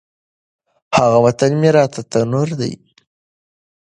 هغه وطن مي راته تنور دی